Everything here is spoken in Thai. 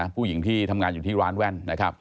ผู้หญิงที่ทำงานอยู่ที่ร้านแว่นนะครับ